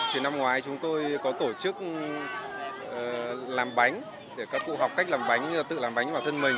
thì năm ngoái chúng tôi có tổ chức làm bánh để các cụ học cách làm bánh tự làm bánh bản thân mình